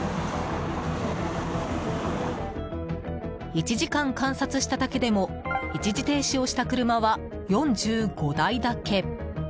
１時間観察しただけでも一時停止をした車は４５台だけ。